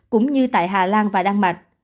cũng như tại hà lan và đan mạch